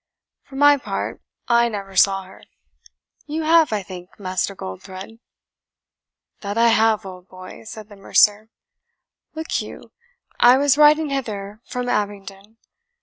For my part, I never saw her you have, I think, Master Goldthred?" "That I have, old boy," said the mercer. "Look you, I was riding hither from Abingdon.